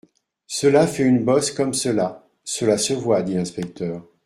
Cela fait une bosse comme cela, cela se voit, dit l'inspecteur.